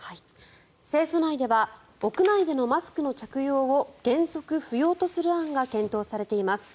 政府内では屋内でのマスクの着用を原則不要とする案が検討されています。